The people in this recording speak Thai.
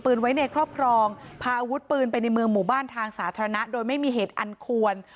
พออาวุธปืนในเมืองหมู่บ้านทางสาธารณะโดยไม่มีเหตุอันควร